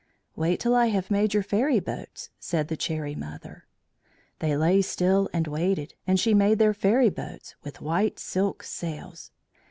"Wait till I have made your fairy boats," said the Cherry Mother. They lay still and waited, and she made their fairy boats, with white silk sails.